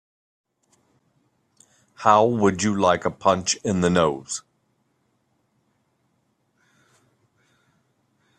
How would you like a punch in the nose?